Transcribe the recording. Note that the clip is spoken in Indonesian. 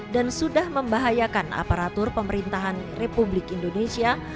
dan sudah membahayakan aparatur pemerintahan republik indonesia